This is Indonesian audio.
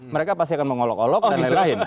mereka pasti akan mengolok olok dan lain lain